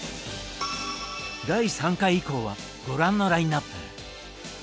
第３回以降はご覧のラインナップ。